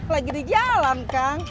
lagi di jalan kang